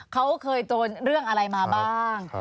เขาเคยโดนเรื่องอะไรมาบ้าง